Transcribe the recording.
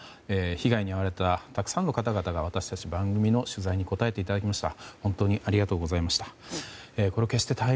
被害に遭われたたくさんの方々が私たち番組の取材に答えていただきました。